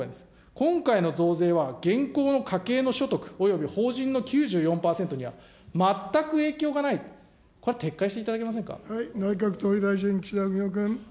今回の増税は、現行の家計の所得および法人の９４％には全く影響がないと、内閣総理大臣、岸田文雄君。